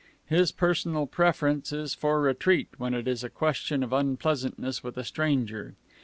His personal preference is for retreat when it is a question of unpleasantness with a stranger.